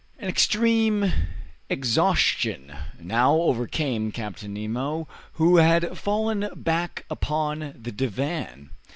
An extreme exhaustion now overcame Captain Nemo, who had fallen back upon the divan.